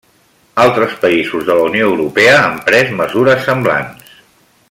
Altres països de la Unió Europea han pres mesures semblants.